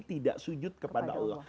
tidak sujud kepada allah